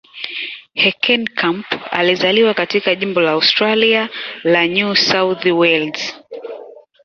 Heckenkamp alizaliwa katika jimbo la Australia la New South Wales.